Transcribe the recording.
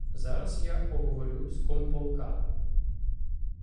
Зараз я поговорю з комполка.